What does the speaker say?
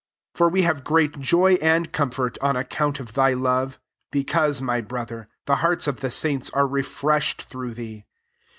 7 For we have great joy and comfort on account of thy love, because, my brother, the hearts of the saints are refresh ed through thee.